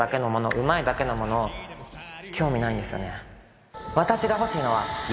うまいだけのもの興味ないんですよね。